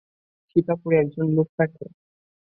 সীতাপুরে একজন লোক থাকে।